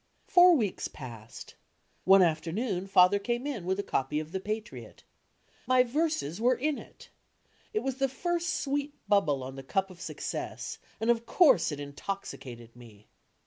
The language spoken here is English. Four weeks passed. One afternoon Father came in with a copy of the Patriot. My verses were in it! It was the first sweet bubble on the cup of success and of course it intox icated me.